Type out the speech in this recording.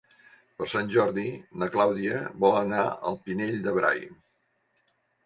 Per Sant Jordi na Clàudia vol anar al Pinell de Brai.